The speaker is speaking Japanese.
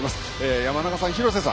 山中さん、廣瀬さん